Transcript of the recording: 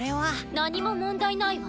何も問題ないわ。